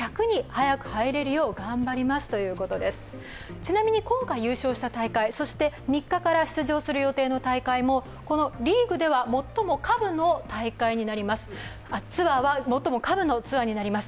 ちなみに今回優勝した大会、そして３日から出場する大会もこのツアーは最も下部の大会になります。